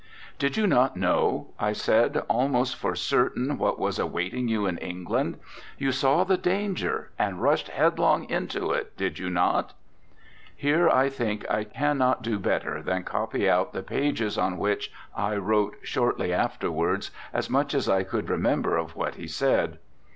'Did you not know,' I said, 'almost for certain what was awaiting you in England? You saw the danger and rushed headlong into it, did you not?' Here I think I cannot do better than copy out the pages on which I wrote shortly afterwards as much as I could remember of what he said.